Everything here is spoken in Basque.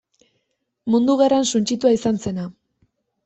Mundu Gerran suntsitua izan zena.